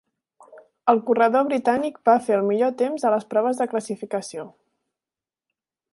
El corredor britànic va fer el millor temps a les proves de classificació.